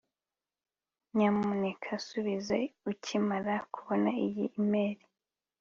nyamuneka subiza ukimara kubona iyi imeri